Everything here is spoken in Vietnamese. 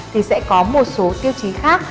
thì sẽ có một số tiêu chí khác